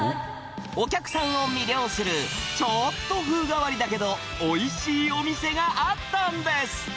お客さんを魅了する、ちょっと風変わりだけど、おいしいお店があったんです。